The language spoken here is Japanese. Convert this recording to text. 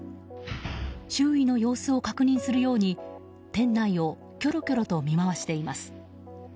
周囲の様子を確認するように店内をきょろきょろと見渡しています。